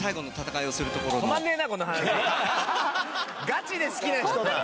ガチで好きな人だ！